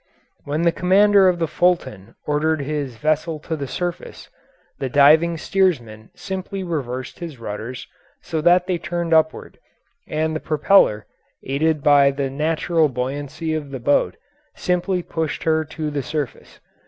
When the commander of the Fulton ordered his vessel to the surface, the diving steersman simply reversed his rudders so that they turned upward, and the propeller, aided by the natural buoyancy of the boat, simply pushed her to the surface.